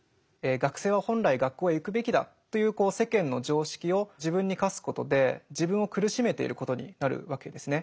学生は本来学校へ行くべきだという世間の常識を自分に課すことで自分を苦しめていることになるわけですね。